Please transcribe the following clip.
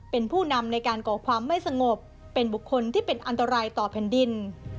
เป็นผู้นำในการก่อความไม่สงบเป็นบุคคลที่เป็นอันตรายต่อแผ่นดิน